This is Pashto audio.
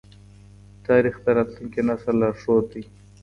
تاریخ د راتلونکي نسل لارښود دی.